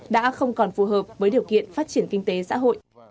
đã không còn phù hợp với điều kiện phát triển kinh tế xã hội